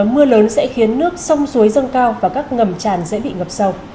mưa lớn sẽ khiến nước sông suối dâng cao và các ngầm tràn dễ bị ngập sâu